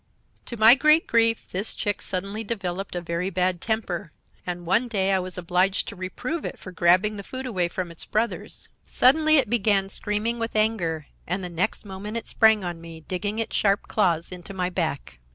"To my great grief this chick suddenly developed a very bad temper, and one day I was obliged to reprove it for grabbing the food away from its brothers. Suddenly it began screaming with anger, and the next moment it sprang on me, digging its sharp claws into my back.